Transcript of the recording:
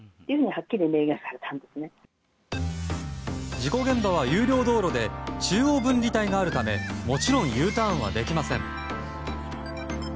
事故現場は有料道路で中央分離帯があるためもちろんＵターンはできません。